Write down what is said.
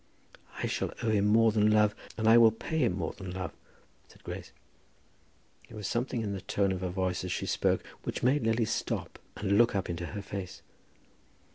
"I shall owe him more than love, and I will pay him more than love," said Grace. There was something in the tone of her voice as she spoke which made Lily stop her and look up into her face.